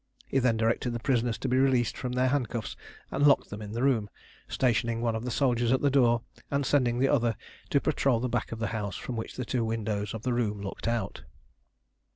He then directed the prisoners to be released from their handcuffs and locked them in the room, stationing one of the soldiers at the door and sending the other to patrol the back of the house from which the two windows of the room looked out.